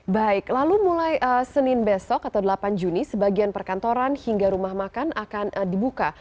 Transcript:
baik lalu mulai senin besok atau delapan juni sebagian perkantoran hingga rumah makan akan dibuka